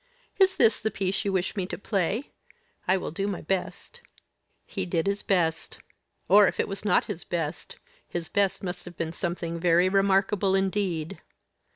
"Is this the piece you wish me to play? I will do my best." He did his best or, if it was not his best, his best must have been something very remarkable indeed.